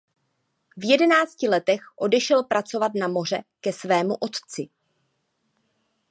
V jedenácti letech odešel pracovat na moře ke svému otci.